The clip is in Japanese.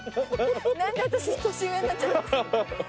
何で私年上になっちゃうんですか。